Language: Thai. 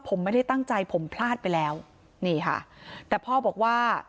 ผมไม่ได้ตั้งใจผมพลาดไปแล้วนี่ค่ะแต่พ่อบอกว่า